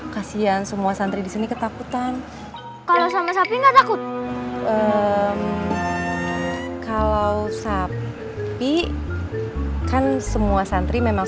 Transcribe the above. kasihan semua santri disini ketakutan kalau sama sapi nggak takut kalau sapi kan semua santri memang